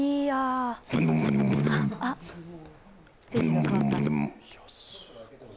あっ、ステージが変わった。